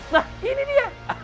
nah ini dia